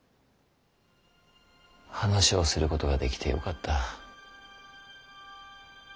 話をすることができてよかった。